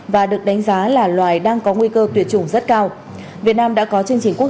và được đánh giá là loài đang có nguy cơ tuyệt chủng rất cao việt nam đã có chương trình quốc